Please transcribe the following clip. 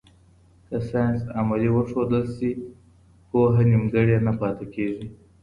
که ساینس عملي وښودل سي، پوهه نیمګړې نه پاته کېږي.